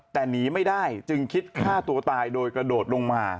แต่หนีไม่ได้จึงคิดฆ่าตัวตายโดยกระโดดลงมา